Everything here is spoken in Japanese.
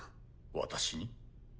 私に？